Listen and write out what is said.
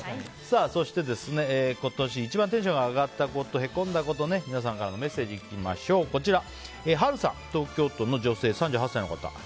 そして、今年一番テンションが上がったこと＆へこんだこと皆さんからのメッセージ、こちら東京都の女性３８歳の方。